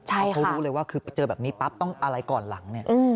ใช่ค่ะเขารู้เลยว่าคือเจอแบบนี้ปั๊บต้องอะไรก่อนหลัง